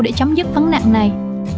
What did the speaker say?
để chấm dứt vấn nạn này